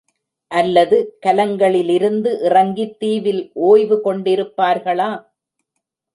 அல்லது கலங்களிலிருந்து இறங்கித் தீவில் ஒய்வு கொண்டிருப்பார்களா?